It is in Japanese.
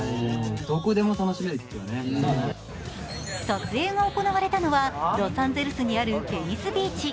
撮影が行われたのはロサンゼルスにあるベニスビーチ。